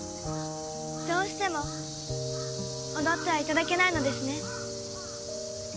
どうしても踊ってはいただけないのですね？